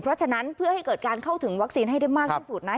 เพราะฉะนั้นเพื่อให้เกิดการเข้าถึงวัคซีนให้ได้มากที่สุดนะ